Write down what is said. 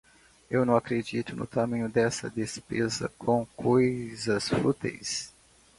Eu não acredito no tamanho desta despesa com coisas fúteis!